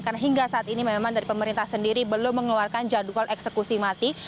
karena hingga saat ini memang dari pemerintah sendiri belum mengeluarkan jadwal eksekusi mati